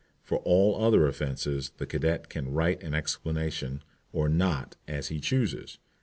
For all other offences the cadet can write an explanation or not as he chooses.